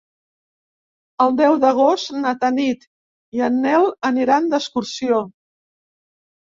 El deu d'agost na Tanit i en Nel aniran d'excursió.